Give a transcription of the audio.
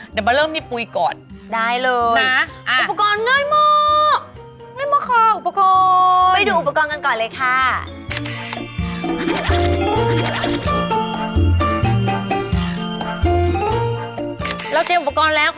เดี๋ยวมาเริ่มที่ปุ๋ยก่อนได้เลยนะ